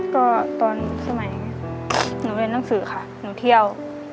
ก็ตอนสมัยหนูเรียนหนังสือค่ะหนูเที่ยว